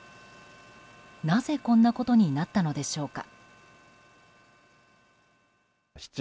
なぜこんなことになったのでしょうか。